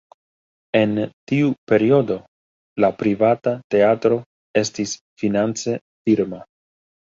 En tiu periodo la privata teatro estis finance firma.